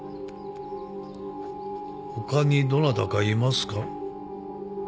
他にどなたかいますか？